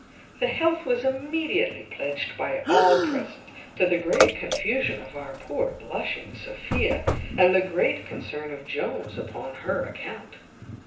The health was immediately pledged by all present, to the great confusion of our poor blushing Sophia, and the great concern of Jones upon her account.